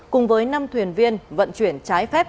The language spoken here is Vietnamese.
cùng với năm thuyền viên vận chuyển trái phép